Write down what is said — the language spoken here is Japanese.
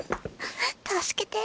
助けて。